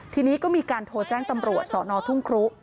ทีนี้ก็มีการโทรแจ้งตำรวจสอนอทุ่งครุ